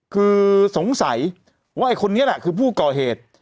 คือสงสัยว่าไอ้คนนี้แหละคือผู้ก่อเหตุ